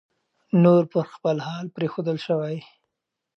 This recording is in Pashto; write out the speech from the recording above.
نور پر خپل حال پرېښودل شوی